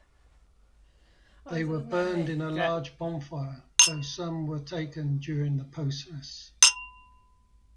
They were burned in a large bonfire, though some were taken during the process.